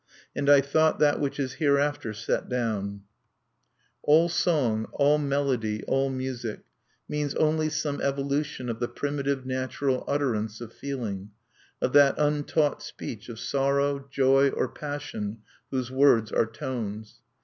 And I thought that which is hereafter set down: All song, all melody, all music, means only some evolution of the primitive natural utterance of feeling, of that untaught speech of sorrow, joy, or passion, whose words are tones.